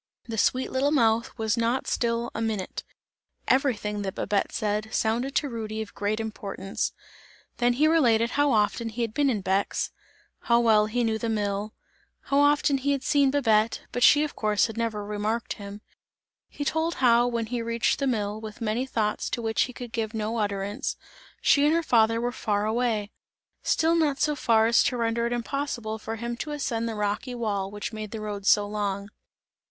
The sweet little mouth was not still a minute; everything that Babette said, sounded to Rudy of great importance. Then he related how often he had been in Bex, how well he knew the mill; how often he had seen Babette, but she of course had never remarked him; he told how, when he reached the mill, with many thoughts to which he could give no utterance, she and her father were far away; still not so far as to render it impossible for him to ascend the rocky wall which made the road so long.